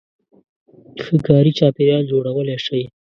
-ښه کاري چاپېریال جوړولای شئ